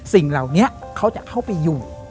สิ่งเหล่านี้เขาจะเข้าไปอยู่